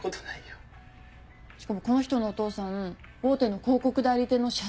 しかもこの人のお父さん大手の広告代理店の社長なんだよ。